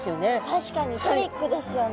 確かにトリックですよね。